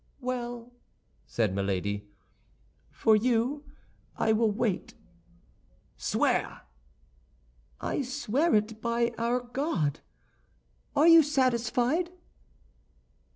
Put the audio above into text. "Well," said Milady, "for you I will wait." "Swear." "I swear it, by our God. Are you satisfied?"